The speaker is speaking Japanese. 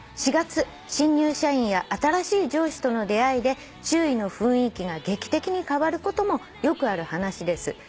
「４月新入社員や新しい上司との出会いで周囲の雰囲気が劇的に変わることもよくある話です」